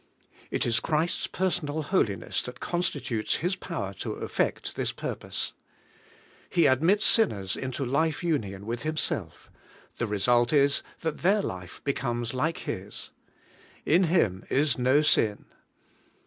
It is Christ's personal holiness that constitutes His power to effect this purpose. He admits sinners into life union with Himself; the result is, that their life becomes like His. 'In Him is no sin.